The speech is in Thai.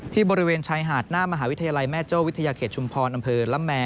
บริเวณชายหาดหน้ามหาวิทยาลัยแม่โจ้วิทยาเขตชุมพรอำเภอละแม